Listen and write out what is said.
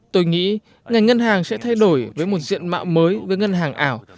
tôi nghĩ ngành ngân hàng sẽ thay đổi với một diện mạo mới với ngân hàng ảo